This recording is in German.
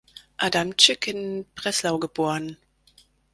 Adamczyk, in Breslau geboren.